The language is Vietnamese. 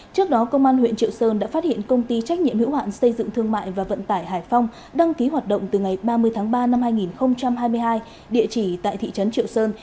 trước đó công an huyện triệu sơn đã phát hiện công ty trách nhiệm hữu hạn xây dựng thương mại và vận tải hải phong đăng ký hoạt động từ ngày ba mươi tháng ba năm hai nghìn hai mươi hai địa chỉ tại thị trấn triệu sơn